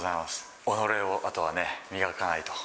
己をあとは磨かないと。